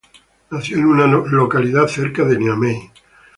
Nació en una localidad cerca de Niamey.